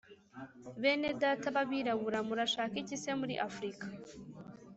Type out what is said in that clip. Bene Data b'abirabura Murashaka iki se muri Afirika?